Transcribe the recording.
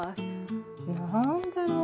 何だろう